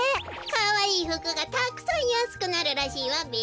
かわいいふくがたくさんやすくなるらしいわべ。